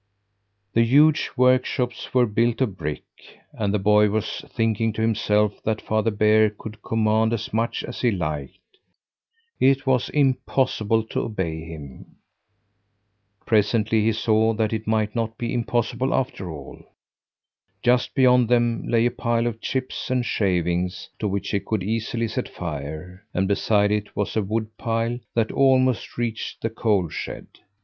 The huge workshops were built of brick, and the boy was thinking to himself that Father Bear could command as much as he liked, it was impossible to obey him. Presently he saw that it might not be impossible after all. Just beyond them lay a pile of chips and shavings to which he could easily set fire, and beside it was a wood pile that almost reached the coal shed.